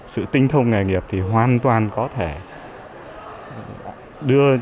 sự tinh thông nghề nghiệp thì hoàn toàn có thể đưa